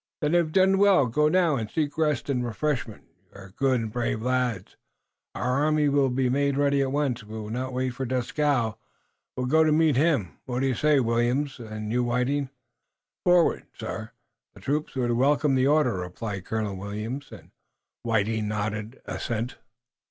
"Then you have done well. Go now and seek rest and refreshment. You are good and brave lads. Our army will be made ready at once. We'll not wait for Dieskau. We'll go to meet him. What say you, Williams, and you, Whiting?". "Forward, sir! The troops would welcome the order!" replied Colonel Williams, and Whiting nodded assent.